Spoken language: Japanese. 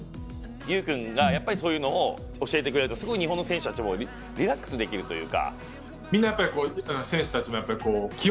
有君がそういうのを教えてくれると日本の選手たちもリラックスできるというか。